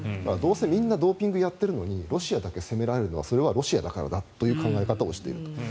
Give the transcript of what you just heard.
どうせみんなドーピングをやっているのにロシアだけ責められるのはそれはロシアだからだという考え方をしていると。